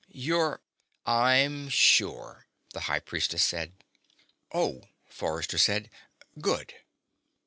"You're " "I'm sure," the High Priestess said. "Oh," Forrester said. "Good."